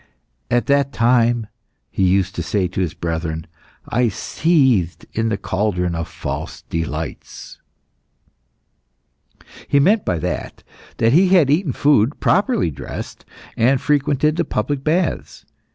"At that time," he used to say to the brethren, "I seethed in the cauldron of false delights." He meant by that that he had eaten food properly dressed, and frequented the public baths.